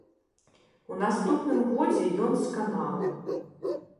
У наступным годзе ён сканаў.